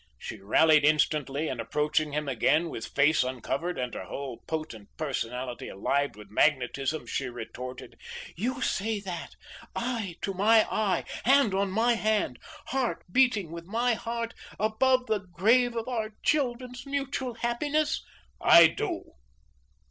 She rallied instantly and approaching him again with face uncovered and her whole potent personality alive with magnetism, she retorted: "You say that, eye to my eye, hand on my hand, heart beating with my heart above the grave of our children's mutual happiness?" "I do."